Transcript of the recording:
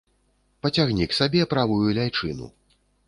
Пацягні к сабе правую ляйчыну.